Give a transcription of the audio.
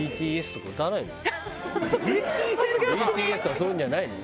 ＢＴＳはそういうのじゃないの？